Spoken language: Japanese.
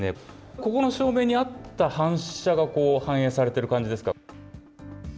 ここの照明に合った反射が反映されている感じですか。